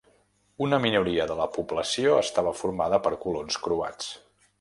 Una minoria de la població estava formada per colons croats.